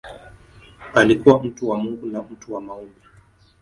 Alikuwa mtu wa Mungu na mtu wa maombi.